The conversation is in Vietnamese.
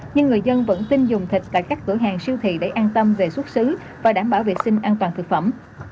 nhưng người dân vẫn tin dùng thịt tại các cửa hàng siêu thị để an tâm về xuất xứ và đảm bảo vệ sinh an toàn thực phẩm